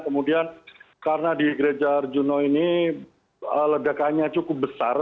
kemudian karena di gereja arjuna ini ledakannya cukup besar